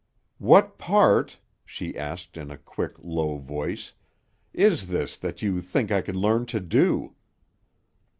"What part," she asked in a quick, low voice, "is this that you think I could learn to do?"